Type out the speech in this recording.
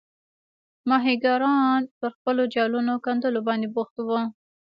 ماهیګیران پر خپلو جالونو ګنډلو باندې بوخت وو.